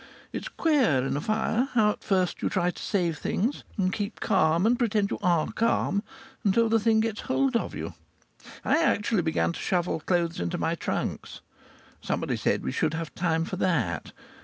It's queer, in a fire, how at first you try to save things, and keep calm, and pretend you are calm, until the thing gets hold of you. I actually began to shovel clothes into my trunks. Somebody said we should have time for that.